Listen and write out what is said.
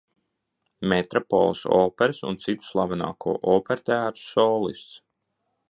Metropoles operas un citu slavenāko operteātru solists.